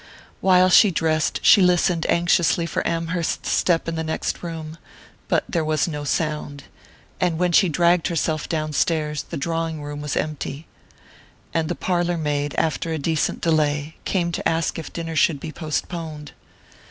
While she dressed she listened anxiously for Amherst's step in the next room; but there was no sound, and when she dragged herself downstairs the drawing room was empty, and the parlour maid, after a decent delay, came to ask if dinner should be postponed.